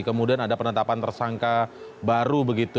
kemudian ada penetapan tersangka baru begitu